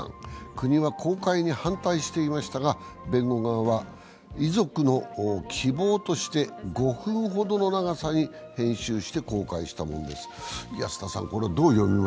国は公開に反対していましたが弁護側は、遺族の希望として５分ほどの長さに編集して公開したものです。